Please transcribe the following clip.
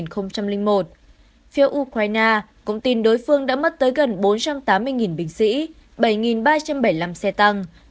phía ukraine công tin đối phương đã mất tới gần bốn trăm tám mươi binh sĩ bảy ba trăm bảy mươi năm xe tăng